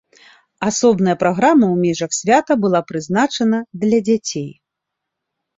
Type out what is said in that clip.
Асобная праграма ў межах свята была прызначана для дзяцей.